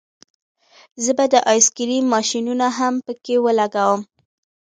زه به د آیس کریم ماشینونه هم پکې ولګوم